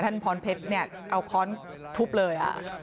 พรเพชรเนี่ยเอาค้อนทุบเลย